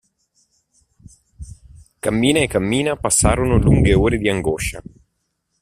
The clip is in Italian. Cammina e cammina, passarono lunghe ore di angoscia.